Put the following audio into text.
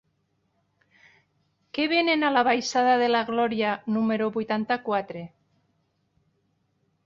Què venen a la baixada de la Glòria número vuitanta-quatre?